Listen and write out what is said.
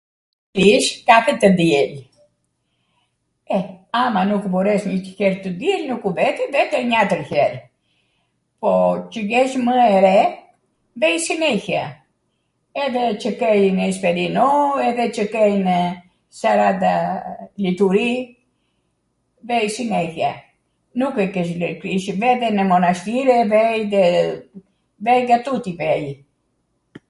qw ish kathe tw diel, e, ama nukw mbores njwCik her tw diel nuku vete, vete njatwr her. Po, qw jesh mw e re vej sinexjia, edhe qw kejnw esperino, edhe qw kejnw saranda lituri, vej sinexjia, nuk e kesh ... gjw, vete nw monastir edhe vej nga tuti vejw